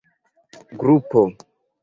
grupo